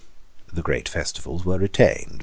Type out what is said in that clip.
The great festivals were retained.